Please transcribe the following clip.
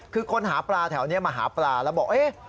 คือคนหาปลาแถวนี้มาหาปลาแล้วบอกเอ๊ะ